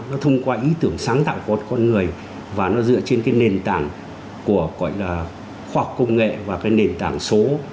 nó thông qua ý tưởng sáng tạo của con người và nó dựa trên cái nền tảng của gọi là khoa học công nghệ và cái nền tảng số